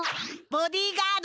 ボディーガード？